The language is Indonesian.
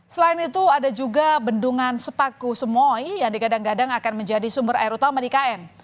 selain itu ada juga bendungan sepaku semoy yang digadang gadang akan menjadi sumber air utama di kn